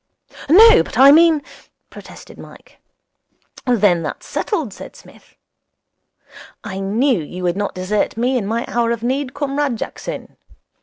'No, but I mean ' protested Mike. 'Then that's settled,' said Psmith. 'I knew you would not desert me in my hour of need, Comrade Jackson.